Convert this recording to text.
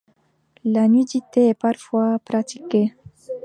La nudité est parfois pratiquée.